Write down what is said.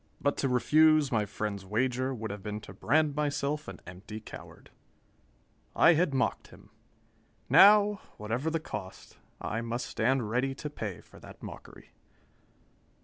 But to refuse my friend's wager would have been to brand myself an empty coward. I had mocked him. Now, whatever the cost, I must stand ready to pay for that mockery.